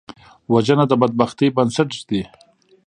وژنه د بدبختۍ بنسټ ږدي